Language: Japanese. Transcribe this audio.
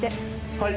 はい。